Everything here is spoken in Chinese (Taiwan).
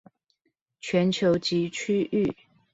全球及區域